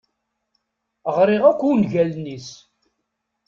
Ɣriɣ akk ungalen-is.